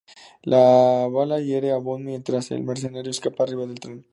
La bala hiere a Bond, mientras el mercenario escapa arriba del tren.